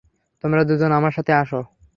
তোমরা দুজন আমার সাথে আসো।